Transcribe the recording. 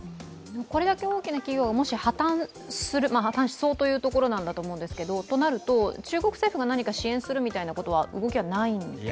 これだけ大きな企業が破綻しそうというところだと思うんですけど、となると、中国政府が何か支援するみたいな動きはないんですか？